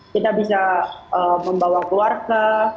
kita bisa membawa keluarga